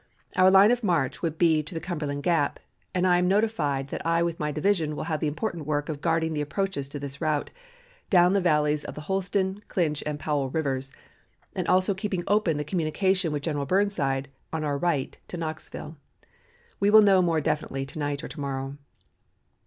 Our line of march would be to Cumberland Gap, and I am notified that I with my division will have the important work of guarding the approaches to this route, down the valleys of the Holston, Clinch, and Powell Rivers, and also keeping open the communication with General Burnside on our right to Knoxville. We will know more definitely to night or to morrow.